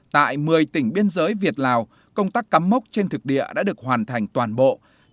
tại một mươi tỉnh biên giới việt lào công tác cắm mốc trên thực địa đã được hoàn thành toàn bộ